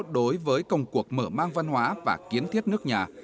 đối với công cuộc mở mang văn hóa và kiến thiết nước nhà